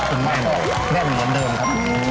คุณม่ายหน่อยแม่งเหมือนเดิมครับ